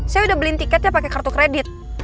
saya udah beli tiketnya pakai kartu kredit